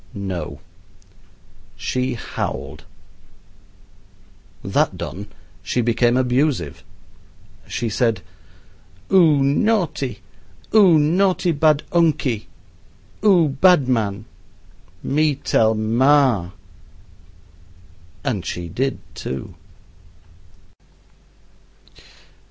No! she howled. That done, she became abusive. She said: "Oo naughty oo naughty, bad unkie oo bad man me tell MAR." And she did, too.